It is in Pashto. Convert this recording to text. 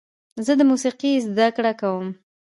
زه د موسیقۍ زده کړه کوم.